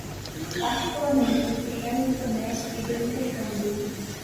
particularmente no terreno do comércio e do intercâmbio